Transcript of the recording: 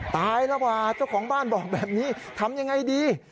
ตายแล้วว่าเจ้าของบ้านบอกแบบนี้ทำอย่างไรดี